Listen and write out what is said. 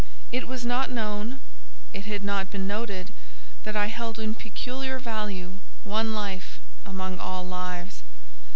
It was not known—it had not been noted—that I held in peculiar value one life among all lives.